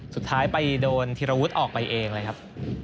สุดท้ายไปโดนธีรวุฒิออกไปเองเลยครับ